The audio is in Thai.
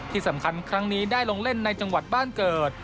ที่สำคัญครั้งนี้ได้ลงเล่นในจังหวัดบ้านเกิด